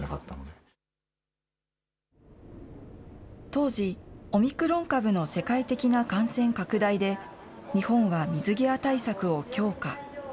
当時、オミクロン株の世界的な感染拡大で、日本は水際対策を強化。